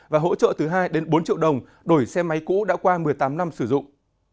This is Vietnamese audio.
và hỗ trợ từ hai bốn triệu đồng đổi xe máy cũ đã qua một mươi tám năm sử dụng